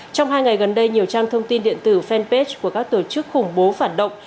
trong hai ngày gần đây nhiều trang thông tin điện tử fanpage của các tổ chức khủng bố phản động